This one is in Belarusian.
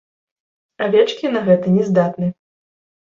Авечкі на гэта не здатны.